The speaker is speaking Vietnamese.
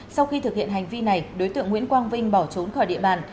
sau khi thực hiện hành vi này đối tượng nguyễn quang vinh bỏ trốn khỏi địa bàn